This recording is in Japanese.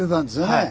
はい。